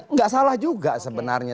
tidak salah juga sebenarnya